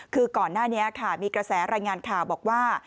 คือก่อนหน้านี้ค่ะมีกระแสรายงานข่าวบอกว่า